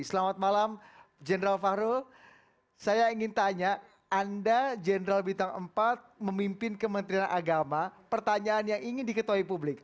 selamat malam general fahrul saya ingin tanya anda jenderal bintang empat memimpin kementerian agama pertanyaan yang ingin diketahui publik